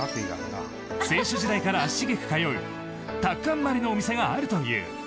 選手時代から足しげく通うタッカンマリのお店があるという。